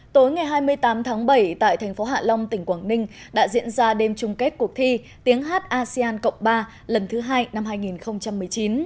tối ngày hai mươi tám tháng bảy tại thành phố hạ long tỉnh quảng ninh đã diễn ra đêm chung kết cuộc thi tiếng hát asean cộng ba lần thứ hai năm hai nghìn một mươi chín